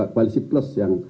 koalisi plus plus yang